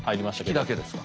筆記だけですか。